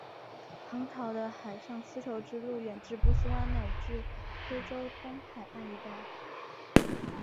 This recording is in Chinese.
唐朝的海上丝绸之路远至波斯湾乃至非洲东海岸一带。